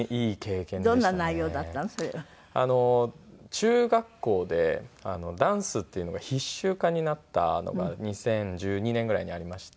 中学校でダンスっていうのが必修化になったのが２０１２年ぐらいにありまして。